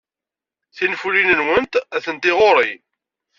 Tinfulin-nwent atenti ɣer-i.